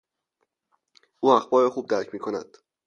او اخبار را خوب درک میکند.